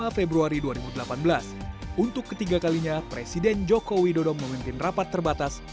lima februari dua ribu delapan belas untuk ketiga kalinya presiden joko widodo memimpin rapat terbatas